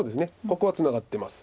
ここはツナがってます。